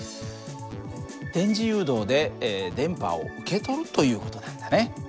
電磁誘導で電波を受け取るという事なんだね。